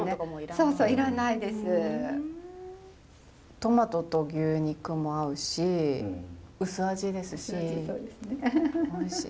トマトと牛肉も合うし薄味ですしおいしい。